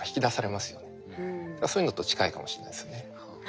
そういうのと近いかもしれないですね。